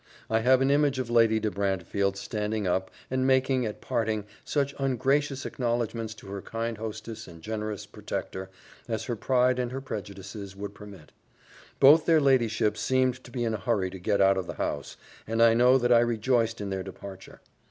I have an image of Lady de Brantefield standing up, and making, at parting, such ungracious acknowledgments to her kind hostess and generous protector, as her pride and her prejudices would permit. Both their ladyships seemed to be in a hurry to get out of the house, and I know that I rejoiced in their departure.